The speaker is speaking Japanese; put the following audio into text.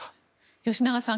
吉永さん